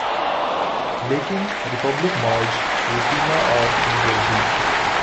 لیکن Republican Marge Roukema R New Jersey